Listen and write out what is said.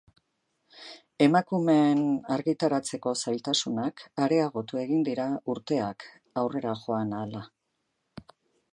Emakumeen argitaratzeko zailtasunak areagotu egin dira urteak aurrera joan ahala.